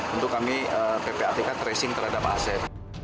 untuk kami ppatk tracing terhadap aset